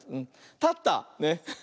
たった。ね。